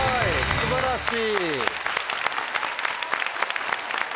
素晴らしい。